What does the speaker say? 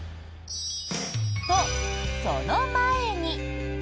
と、その前に！